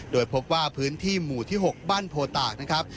โดยพบว่าพื้นที่หมู่ที่๖บ้านโพตากนะครับ